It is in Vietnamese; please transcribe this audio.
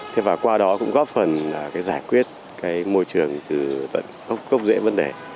thế và qua đó cũng góp phần giải quyết môi trường từ tận gốc dễ vấn đề